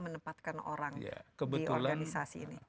menempatkan orang di organisasi ini